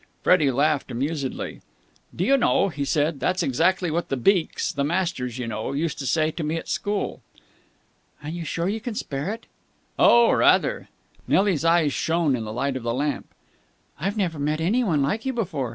Freddie laughed amusedly. "Do you know," he said, "that's exactly what the beaks the masters, you know used to say to me at school." "Are you sure you can spare it?" "Oh, rather." Nelly's eyes shone in the light of the lamp. "I've never met anyone like you before.